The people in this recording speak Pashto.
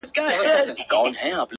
عاشقانه د رباطونو په درشل زه یم-